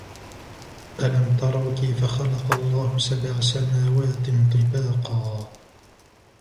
أَلَمْ تَرَوْا كَيْفَ خَلَقَ اللَّهُ سَبْعَ سَمَاوَاتٍ طِبَاقًا